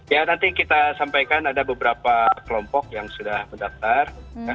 ya nanti kita sampaikan ada beberapa kelompok yang sudah mendaftar